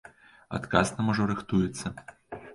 Адказ нам ужо рыхтуецца.